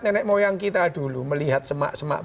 nenek moyang kita dulu melihat semak semak